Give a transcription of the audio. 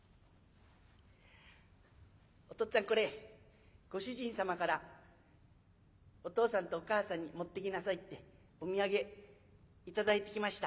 「お父っつぁんこれご主人様からお父さんとお母さんに持っていきなさいってお土産頂いてきました」。